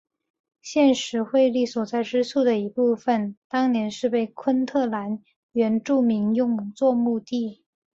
现时惠利所在之处的一部分当年是被昆特兰原住民用作墓地。